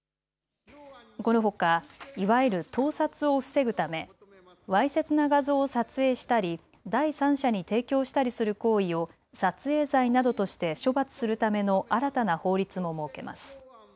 このほか、いわゆる盗撮を防ぐためわいせつな画像を撮影したり、第三者に提供したりする行為を撮影罪などとして処罰するための新たな法律も設けます。